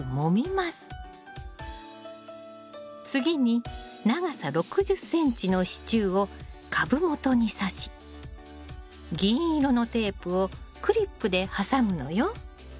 次に長さ６０ｃｍの支柱を株元にさし銀色のテープをクリップで挟むのよ。